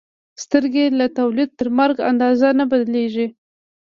سترګې له تولد تر مرګ اندازه نه بدلېږي.